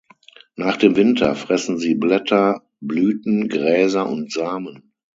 Nach dem Winter fressen sie Blätter, Blüten, Gräser und Samen.